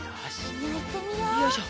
よいしょ。